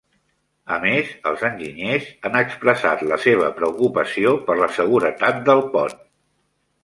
A més, els enginyers han expressat la seva preocupació per la seguretat del pont.